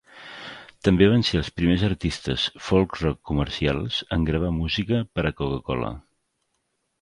També van ser els primers artistes folk-rock comercials en gravar música per a Coca-Cola.